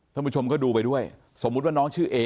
ท่านผู้ชมก็ดูไปด้วยสมมุติว่าน้องชื่อเอ